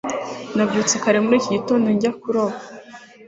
nabyutse kare muri iki gitondo njya kuroba